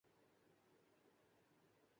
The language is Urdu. جہ ابھی معلوم نہیں ہو سکی